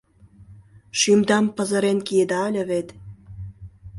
Шӱмдам пызырен киеда ыле вет.